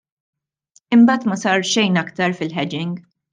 Imbagħad ma sar xejn aktar fil-hedging.